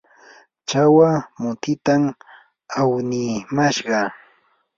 chawa mutitam awnimashqa.